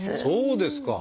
そうですか。